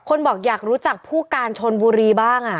บอกอยากรู้จักผู้การชนบุรีบ้าง